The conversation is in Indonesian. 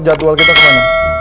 jadwal kita kemana